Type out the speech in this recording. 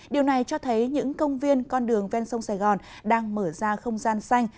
điều này cho thấy những công viên con đường ven sông sài gòn đang mở ra không gian xanh